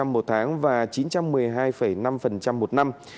bảy mươi năm một tháng và chín trăm một mươi hai năm một năm